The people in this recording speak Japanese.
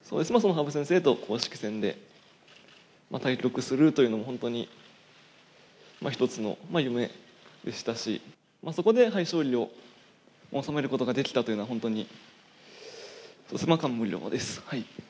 羽生先生と公式戦で対局するというのは、本当に一つの夢でしたし、そこで勝利を収めることができたというのは、本当に感無量です。